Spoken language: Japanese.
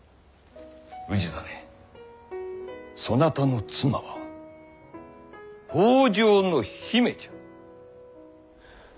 氏真そなたの妻は北条の姫じゃ。